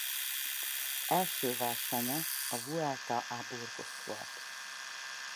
Első versenye a Vuelta a Burgos volt.